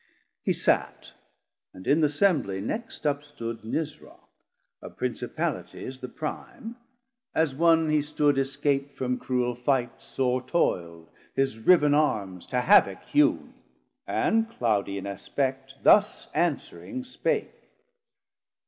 He sat; and in th' assembly next upstood Nisroc, of Principalities the prime; As one he stood escap't from cruel fight, Sore toild, his riv'n Armes to havoc hewn, And cloudie in aspect thus answering spake.